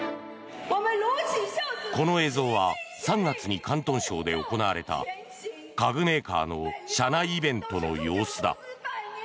この映像は３月に広東省で行われた家具メーカーの社内イベントの様子だ。